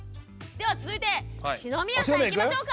では続いて篠宮さんいきましょうか。